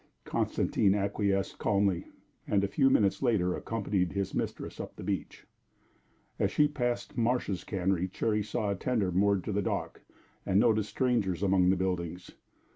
Constantine acquiesced calmly, and a few minutes later accompanied his mistress up the beach. As she passed Marsh's cannery, Cherry saw a tender moored to the dock, and noticed strangers among the buildings.